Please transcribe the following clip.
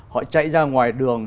họ chạy ra ngoài đường